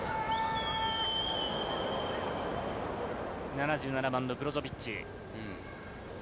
７７番のブロゾビッチ。